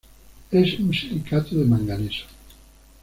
Es un silicato de manganeso.